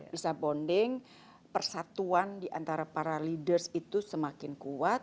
bisa bonding persatuan diantara para leaders itu semakin kuat